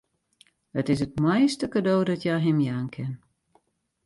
It is it moaiste kado dat hja him jaan kin.